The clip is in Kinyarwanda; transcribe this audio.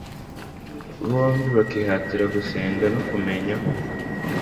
bombi bakihatira gusenga no kumenya